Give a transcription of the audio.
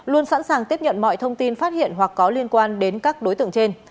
luôn sẵn sàng tiếp nhận mọi thông tin phát hiện hoặc có liên quan đến các đối tượng trên